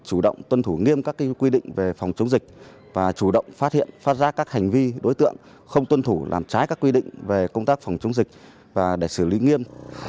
chủ động tuân thủ nghiêm các quy định về phòng chống dịch và chủ động phát hiện phát giác các hành vi đối tượng không tuân thủ làm trái các quy định về công tác phòng chống dịch và để xử lý nghiêm